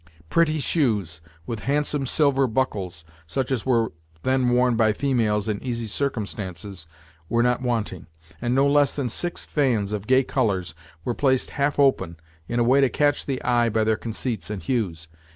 Pretty shoes, with handsome silver buckles, such as were then worn by females in easy circumstances, were not wanting; and no less than six fans, of gay colors, were placed half open, in a way to catch the eye by their conceits and hues.